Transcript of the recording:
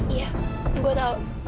iya gue tau